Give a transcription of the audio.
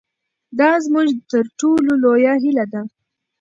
دا زموږ تر ټولو لویه هیله ده.